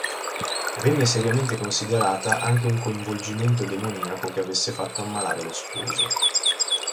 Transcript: Venne seriamente considerata anche un coinvolgimento demoniaco che avesse fatto ammalare lo sposo.